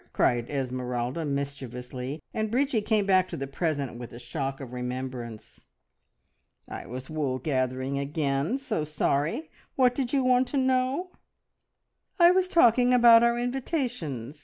cried Esmeralda mischievously, and Bridgie came back to the present with a shock of remembrance. "I was wool gathering again. So sorry! What did you want to know?" "I was talking about our invitations.